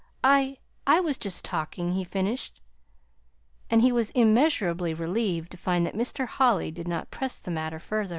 "I I was just talking," he finished. And he was immeasurably relieved to find that Mr. Holly did not press the matter further.